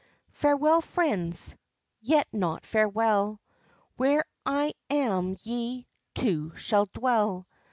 Farewell, friends! Yet not farewell Where I am ye, too, shall dwell.